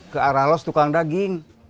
ke arah los tukang daging